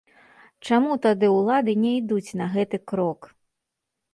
Чаму тады улады не ідуць на гэты крок?